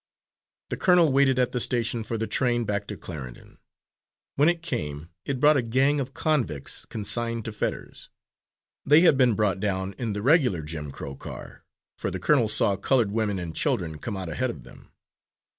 The colonel waited at the station for the train back to Clarendon. When it came, it brought a gang of convicts, consigned to Fetters. They had been brought down in the regular "Jim Crow" car, for the colonel saw coloured women and children come out ahead of them.